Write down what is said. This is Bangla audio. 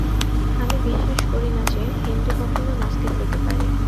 আমি বিশ্বাস করি না যে, হিন্দু কখনও নাস্তিক হইতে পারে।